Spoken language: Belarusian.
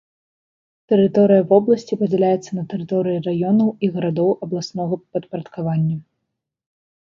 Тэрыторыя вобласці падзяляецца на тэрыторыі раёнаў і гарадоў абласнога падпарадкавання.